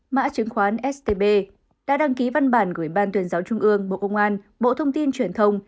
mã chứng khoán stb đã đăng ký văn bản của ủy ban tuyển giáo trung ương bộ công an bộ thông tin truyền thông